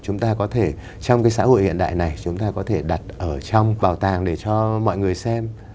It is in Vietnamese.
chúng ta có thể trong cái xã hội hiện đại này chúng ta có thể đặt ở trong bảo tàng để cho mọi người xem